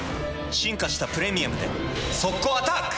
進化した「プレミアム」で速攻アタック！